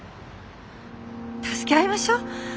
助け合いましょう。